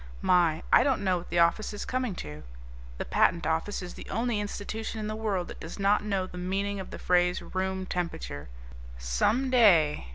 My, I don't know what the Office is coming to. The Patent Office is the only institution in the world that does not know the meaning of the phrase 'room temperature'. Some day....